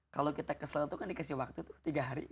kalau kita kesel itu kan dikasih waktu tuh tiga hari